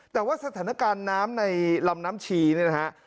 แต่ว่าสถานการณ์น้ำในลำน้ำชีเนี่ยนะฮะ